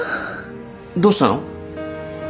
どうしたの？